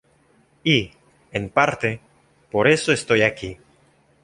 Y, en parte, por eso estoy aquí.